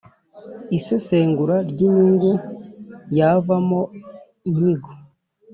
isesengura ry inyungu yavamo inyigo